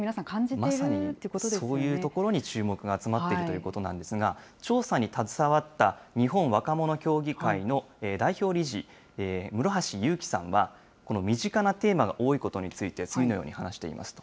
まさにそういうところに注目が集まっているということなんですが、調査に携わった日本若者協議会の代表理事、室橋祐貴さんは、この身近なテーマが多いことについて、次のように話していますと。